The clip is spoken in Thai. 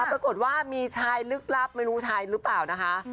ปรากฏว่ามีชายลึกลับไม่รู้ชายหรือเปล่านะคะ